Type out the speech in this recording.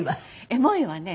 エモいはね